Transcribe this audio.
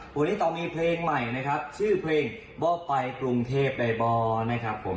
วันนี้เรามีเพลงใหม่นะครับชื่อเพลงว่าไปกรุงเทพใดบอนะครับผม